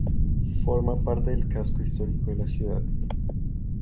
Forma parte del casco histórico de la ciudad.